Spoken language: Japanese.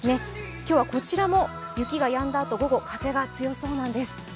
今日はこちらも雪がやんだあと、午後、風が強そうなんです。